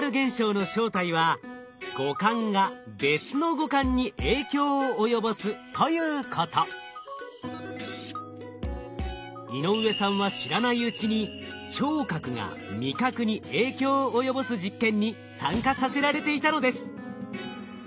まさにその今日体験して頂きたかった井上さんは知らないうちに聴覚が味覚に影響を及ぼす実験に参加させられていたのです。